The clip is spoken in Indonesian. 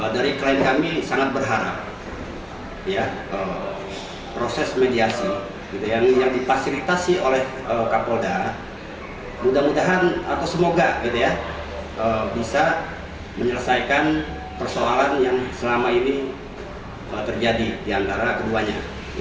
dari klien kami sangat berharap proses mediasi yang difasilitasi oleh kapolda mudah mudahan atau semoga bisa menyelesaikan persoalan yang selama ini terjadi di antara keduanya